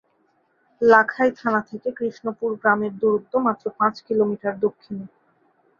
লাখাই থানা থেকে কৃষ্ণপুর গ্রামের দূরত্ব মাত্র পাঁচ কিলোমিটার দক্ষিণে।